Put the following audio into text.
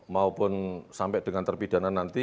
maupun sampai dengan terpidana nanti